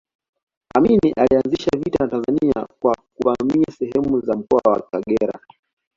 Amin alianzisha vita na Tanzania kwa kuvamia sehemu za mkoa wa Kagera